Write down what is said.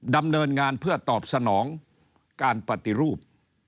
ดำเนินงานเพื่อตอบสนองการปฏิรูป